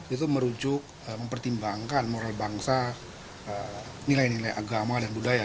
itu merujuk mempertimbangkan moral bangsa nilai nilai agama dan budaya